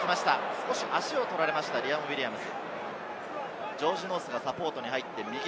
少し足を取られました、リアム・ウィリアムズ。